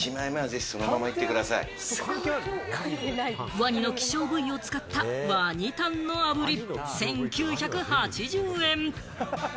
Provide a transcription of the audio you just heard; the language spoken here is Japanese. ワニの希少部位を使ったワニタンの炙り１９８０円。